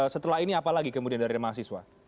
setelah ini apa lagi kemudian dari mahasiswa